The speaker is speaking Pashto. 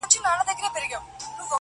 خدای ورکړئ یو سړي ته داسي زوی ؤ-